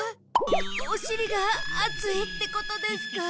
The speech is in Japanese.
おしりがあついってことですか？